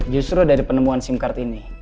justru dari penemuan sim card ini